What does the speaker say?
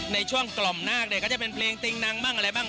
ในช่วงกล่อมนาคเนี่ยก็จะเป็นเพลงติ๊งนังบ้างอะไรบ้าง